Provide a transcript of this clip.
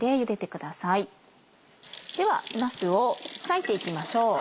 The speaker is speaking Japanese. ではなすを裂いていきましょう。